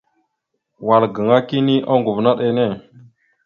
Wal gaŋa kini oŋgov naɗ enne.